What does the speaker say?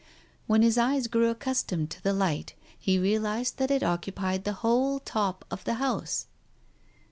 When his eyes grew accustomed to the light, he realized that it occupied the whole top of the house.